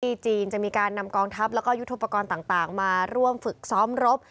จีนจะมีการนำกองทัพแล้วก็ยุทธปกรณ์ต่างมาร่วมฝึกซ้อมรบ